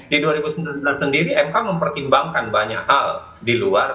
di dua ribu sembilan belas sendiri mk mempertimbangkan banyak hal di luar